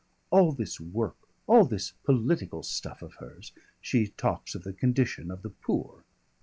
All this work, all this political stuff of hers? She talks of the condition of the poor!